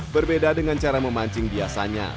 berbeda dengan cara memancing biasanya